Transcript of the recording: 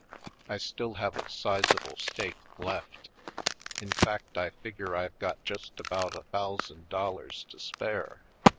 I still have a sizeable stake left. In fact I figure I've got just about a thousand dollars to spare.